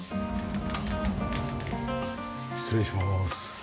失礼します。